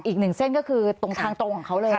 อีกหนึ่งเส้นก็คือตรงทางตรงของเขาเลย